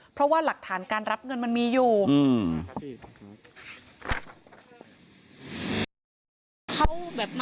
เพราะว่าหลักฐานการรับเงินมันมีอยู่